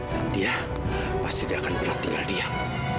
dan dia pasti gak akan pernah tinggal diam